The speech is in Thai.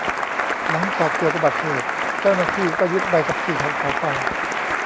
หลังจากเกิดอุบัติเหตุ เจ้าหน้าที่ก็ยึดใบขับขี่ของเขาไป